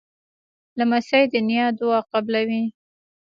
لمسی د نیا دعا قبلوي.